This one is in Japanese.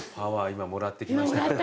今もらってきましたからね。